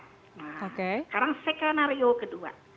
nah sekarang sekenario kedua